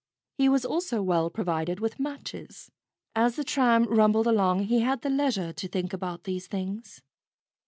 He was also well provided with matches. As the tram rumbled along he had leisure to think about these things.